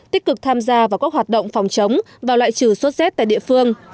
tích cực tham gia vào các hoạt động phòng chống và loại trừ sốt z tại địa phương